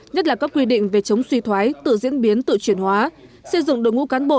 nhất là các quy định về chống suy thoái tự diễn biến tự chuyển hóa xây dựng đội ngũ cán bộ